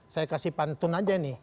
saya kasih pantun aja nih